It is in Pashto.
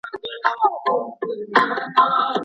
مرييان د بيت المال له لارې ازاديږي.